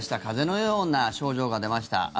風邪のような症状が出ました。